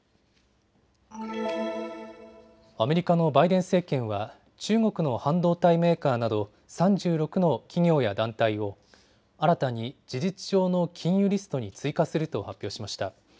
アメリカのバイデン政権は中国の半導体メーカーなど３６の企業や団体を新たに事実上の禁輸リストに追加すると発表しました。